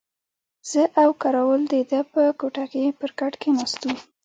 زه او کراول د ده په کوټه کې پر کټ کښېناستو.